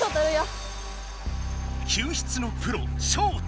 救出のプロショウタ。